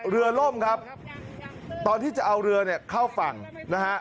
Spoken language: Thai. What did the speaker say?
ล่มครับตอนที่จะเอาเรือเนี่ยเข้าฝั่งนะฮะ